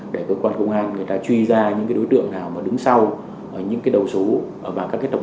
để cơ quan công an người ta truy ra những cái đối tượng nào mà đứng sau những cái đầu số